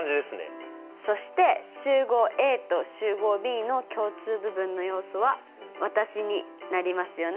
そして集合Ａと集合Ｂの共通部分の要素は私になりますよね。